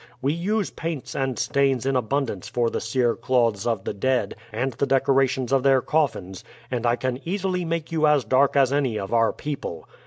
We use paints and stains in abundance for the sere clothes of the dead and the decorations of their coffins, and I can easily make you as dark as any of our people.